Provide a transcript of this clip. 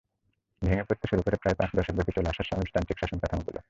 ভেঙে পড়তে শুরু করে প্রায় পাঁচ দশকব্যাপী চলে আসা সমাজতান্ত্রিক শাসন কাঠামোগুলো।